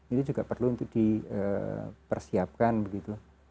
ini juga perlu untuk dipersiapkan begitu